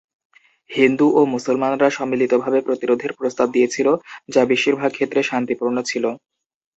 হিন্দু ও মুসলমানরা সম্মিলিতভাবে প্রতিরোধের প্রস্তাব দিয়েছিল, যা বেশিরভাগ ক্ষেত্রে শান্তিপূর্ণ ছিল।